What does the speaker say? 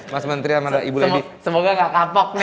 mas menteri dan ibu lady semoga enggak kapok